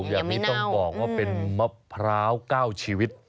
แบบนี้ต้องบอกว่าเป็นมะพร้าว๙ชีวิต